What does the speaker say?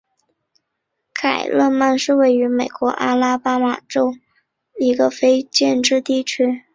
凯勒曼是位于美国阿拉巴马州塔斯卡卢萨县的一个非建制地区。